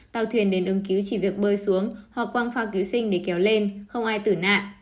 tàu thuyền đến ứng cứu chỉ việc bơi xuống hoặc quăng phao cứu sinh để kéo lên không ai tử nạn